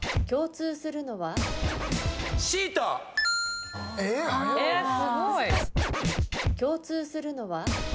すごい。共通するのは？